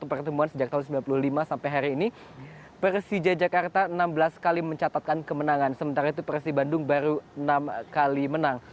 pertemuan antara persija jakarta enam belas kali mencatatkan kemenangan sementara itu persija bandung baru enam kali menang